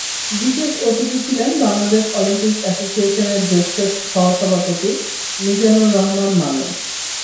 বিশেষ অতিথি ছিলেন বাংলাদেশ অলিম্পিক অ্যাসোসিয়েশনের জ্যেষ্ঠ সহসভাপতি মিজানুর রহমান মানু।